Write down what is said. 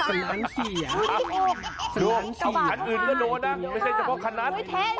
กระบาดอ้นจะโดนนะจำเป็นเข้ามาขนัด